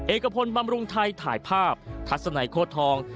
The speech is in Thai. เอกพลบำรุงไทยถ่ายภาพทัศนัยโคตรทอง